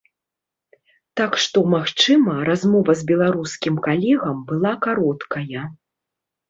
Так што, магчыма, размова з беларускім калегам была кароткая.